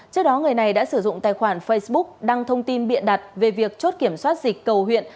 trước đó người này đã sử dụng tài khoản facebook đăng thông tin biện đặt về việc chốt kiểm soát dịch cầu huyện